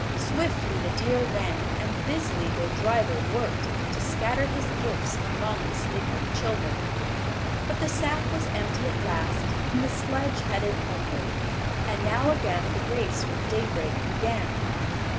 Swiftly the deer ran, and busily their driver worked to scatter his gifts among the sleeping children. But the sack was empty at last, and the sledge headed homeward; and now again the race with daybreak began.